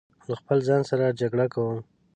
له خپل ځان سره جګړه کوم